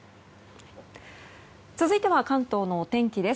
続いては関東のお天気です。